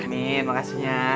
amin makasih ya